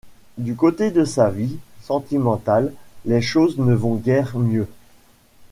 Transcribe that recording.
Du côté de sa vie sentimentale les choses ne vont guère mieux.